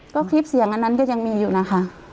ก็คลิปเสียงอันนั้นก็ยังมีอยู่นะคะ